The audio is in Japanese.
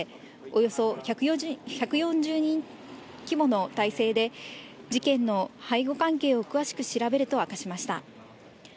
およそ１４０人規模の態勢で事件の背後関係を詳しく調べると明かしました。